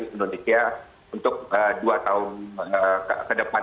bisa dikuntut dari indonesia untuk dua tahun ke depan